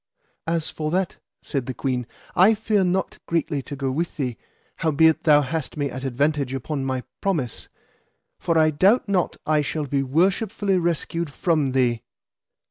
As for that, said the queen, I fear not greatly to go with thee, howbeit thou hast me at advantage upon my promise, for I doubt not I shall be worshipfully rescued from thee.